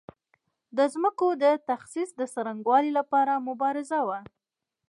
د ځمکو د تخصیص د څرنګوالي لپاره مبارزه وه.